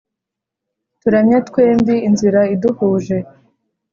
Turamye twembi inzira iduhuje!